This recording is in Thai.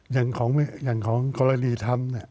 อย่างของกรณีธรรม